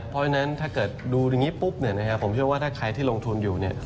เพราะฉะนั้นถ้าเกิดดูอย่างนี้ปุ๊บเนี่ยนะครับผมเชื่อว่าถ้าใครที่ลงทุนอยู่เนี่ย